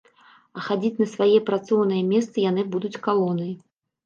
А хадзіць на свае працоўныя месцы яны будуць калонай.